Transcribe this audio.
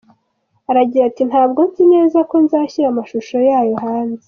Aragira ati "Ntabwo nzi neza ko nzashyira amashusho yayo hanze.